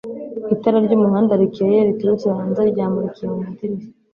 itara ryumuhanda rikeye riturutse hanze ryamurikiye mumadirishya